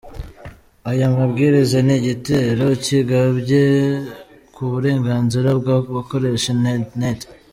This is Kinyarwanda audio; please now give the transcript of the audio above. Aya mabwiriza ni igitero kigabwe ku burenganzira bw’abakoresha internet.